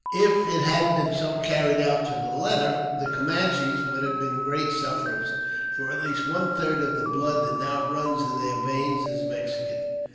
If it had been so carried out to the letter, the Camanches would have been great sufferers, for at least one third of the blood that now runs in their veins is Mexican.